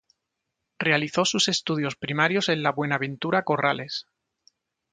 Realizó sus estudios primarios en la Buenaventura Corrales.